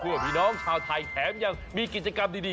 เพื่อพี่น้องชาวไทยแถมยังมีกิจกรรมดี